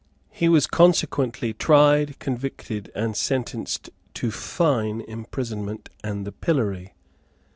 He was consequently tried, convicted, and sentenced to fine, imprisonment and the pillory.